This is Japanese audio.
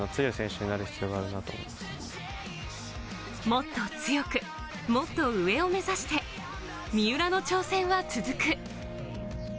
もっと強く、もっと上を目指して、三浦の挑戦は続く。